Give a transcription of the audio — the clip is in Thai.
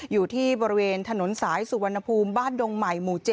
อยู่ที่บริเวณถนนสายสุวรรณภูมิบ้านดงใหม่หมู่๗